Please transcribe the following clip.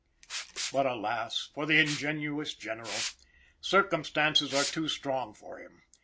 But alas! for the ingenuous General! Circumstances are too strong for him.